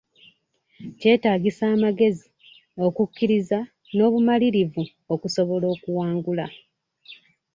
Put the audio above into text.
Kyetaagisa amagezi, okukkiriza n'obumalirivu okusobola okuwangula.